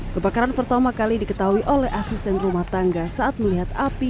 kebakaran pertama kali diketahui oleh asisten rumah tangga saat melihat api